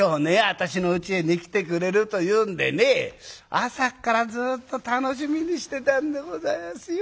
私のうちへね来てくれるというんでね朝からずっと楽しみにしてたんでございますよ。